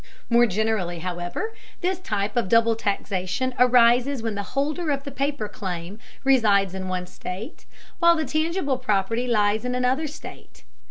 More generally, however, this type of double taxation arises when the holder of the paper claim resides in one state, while the tangible property lies in another state.